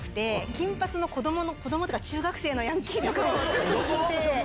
金髪の子ども、子どもっていうか、中学生のヤンキーとかいて。